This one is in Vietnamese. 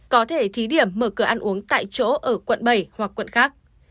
có thể thí điểm mở cửa ăn uống tại chỗ ở quận bảy hoặc quận khác